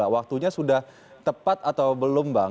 waktunya sudah tepat atau belum bang